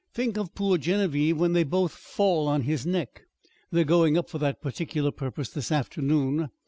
"Think of poor Genevieve when they both fall on his neck. They're going up for that particular purpose this afternoon.